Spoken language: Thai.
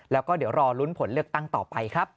แล้วก็เดี๋ยวรอลุ้นผลเลือกตั้งต่อไปครับ